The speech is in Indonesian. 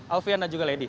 alfiana juga lady